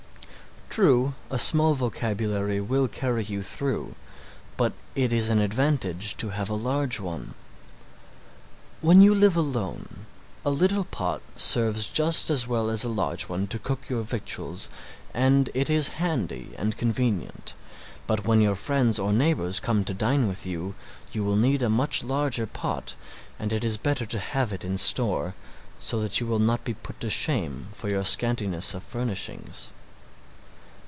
True, a small vocabulary will carry you through, but it is an advantage to have a large one. When you live alone a little pot serves just as well as a large one to cook your victuals and it is handy and convenient, but when your friends or neighbors come to dine with you, you will need a much larger pot and it is better to have it in store, so that you will not be put to shame for your scantiness of furnishings.